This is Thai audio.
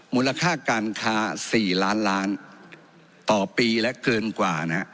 มูลค่าการค้า๔ล้านล้านต่อปีและเกินกว่านะฮะ